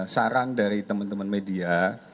saran dari teman teman media